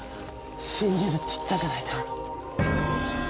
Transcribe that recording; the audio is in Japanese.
信じるって言ったじゃないか。